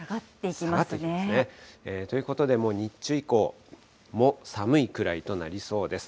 下がっていきますね。ということで、もう日中以降も寒いくらいとなりそうです。